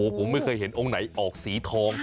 ผมไม่เคยเห็นองค์ไหนออกสีทอง